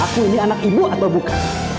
aku ini anak ibu atau bukan